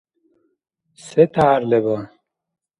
Се тяхӀяр леба?